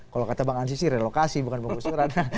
kalau kata bang ansisi relokasi bukan penggusuran